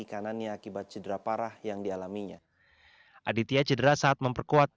dan ini adalah gol pertama indonesia di wgp